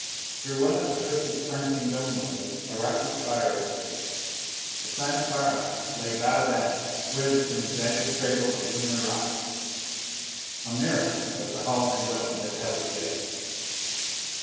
Through one of the twisted, slanting dome windows a rocky spire was visible. The Planetara lay bow down, wedged in a jagged cradle of Lunar rock. A miracle that the hull and dome had held together.